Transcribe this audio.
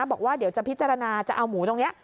บอกว่าเดี๋ยวจะพิจารณาจะเอาหมูตรงนี้